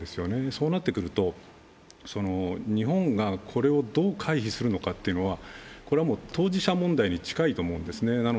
そうなってくると、日本がこれをどう回避するのかというのは、当事者問題に近いと思うんですね。